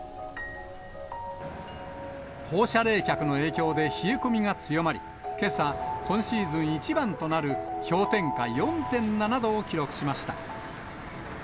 放射冷却の影響で冷え込みが強まり、けさ、今シーズン一番となる氷点下４．７度を記録しました。